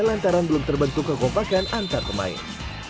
lantaran belum terbentuk kekompakan antar pemain